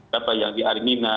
dapat yang di arminah